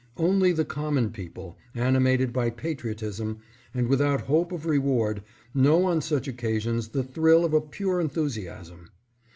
Only the common people, animated by patriotism, and without hope of reward, know on such occasions the thrill of a pure enthusiasm.